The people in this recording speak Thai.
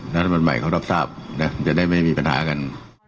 รัฐบาลใหม่เขารับทราบนะจะได้ไม่มีปัญหากัน